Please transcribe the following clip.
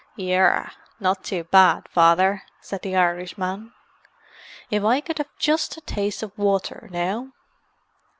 _" "Yerra, not too bad, Father," said the Irishman. "If I could have just a taste of water, now?"